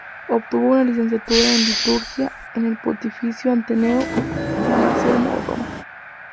Obtuvo una Licenciatura en Liturgia en el Pontificio Ateneo San Anselmo, Roma.